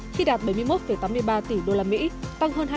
khi đạt bảy mươi một tám mươi ba tỷ usd tăng hơn hai